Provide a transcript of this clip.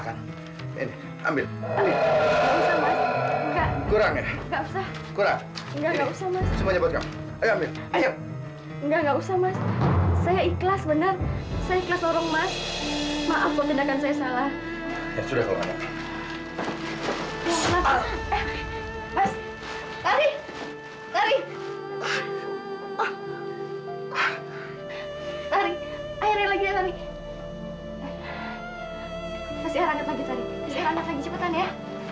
kasih aranget lagi tarik kasih aranget lagi cepetan ya